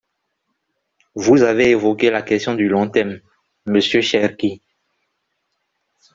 Vous avez évoqué la question du long terme, monsieur Cherki.